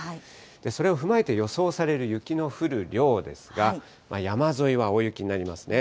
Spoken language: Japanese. それを踏まえて、予想される雪の降る量ですが、山沿いは大雪になりますね。